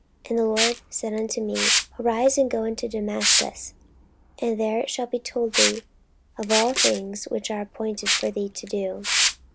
And the Lord said unto me, Arise, and go into Damascus; and there it shall be told thee of all things which are appointed for thee to do.